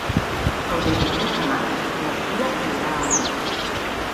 El vint-i-tres de maig na Cira anirà a Orís.